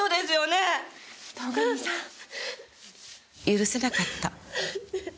許せなかった。